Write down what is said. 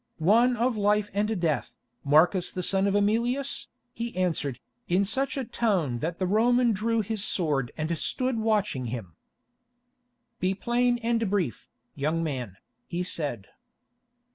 "One of life and death, Marcus the son of Emilius," he answered, in such a tone that the Roman drew his sword and stood watching him. "Be plain and brief, young man," he said.